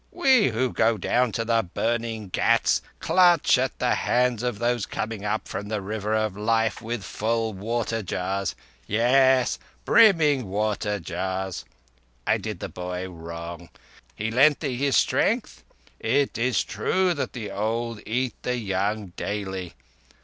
"We who go down to the burning ghats clutch at the hands of those coming up from the River of Life with full water jars—yes, brimming water jars. I did the boy wrong. He lent thee his strength? It is true that the old eat the young daily.